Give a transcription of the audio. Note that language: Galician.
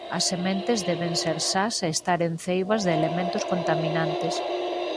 As sementes deben ser sas e estaren ceibas de elementos contaminantes.